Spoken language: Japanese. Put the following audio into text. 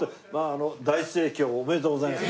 大盛況おめでとうございます。